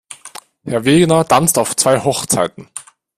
Herr Wegener tanzt auf zwei Hochzeiten.